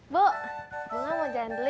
bu bunga mau jalan dulu ya